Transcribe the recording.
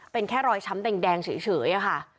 เป็นแค่รอยช้ำแดงเฉยค่ะ